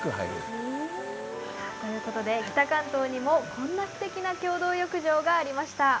さあということで北関東にもこんなすてきな共同浴場がありました。